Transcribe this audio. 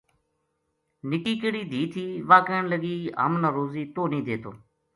نِکی کہڑی دھی تھی واہ کہن لگی ہم نا روزی توہ نیہہ دیتو